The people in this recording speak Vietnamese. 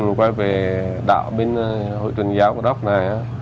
mình quay về đạo bên hội tuyên giáo của đốc này